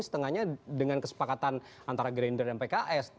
setengahnya dengan kesepakatan antara gerindra dan pks